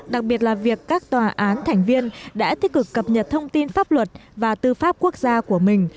đặc biệt là việc các tòa án thành viên đã tích cực cập nhật thông tin pháp luật và tư pháp quốc gia của mình